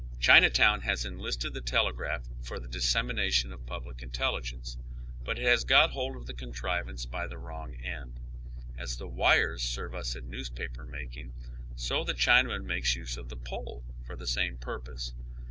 Chinatown iiasenlisted the telegraph for the dissemina tion of public intelligence, but it has got hold of the con ti ivance by the wrong end. As the wires serve iis in newspaper making, so the Chinaman makes use of the pole for the same purpose.